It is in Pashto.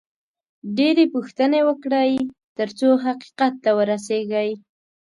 ډېرې پوښتنې وکړئ، ترڅو حقیقت ته ورسېږئ